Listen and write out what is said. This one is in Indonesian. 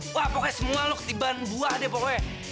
wah pokoknya semua lu ketiban buah deh pokoknya